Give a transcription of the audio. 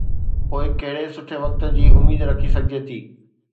پوءِ ڪهڙي سٺي وقت جي اميد رکي سگهجي ٿي.